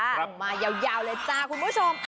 ลงมายาวเลยจ้าคุณผู้ชม